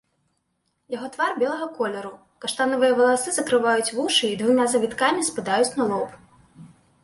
Яго твар белага колеру, каштанавыя валасы закрываюць вушы і двума завіткамі спадаюць на лоб.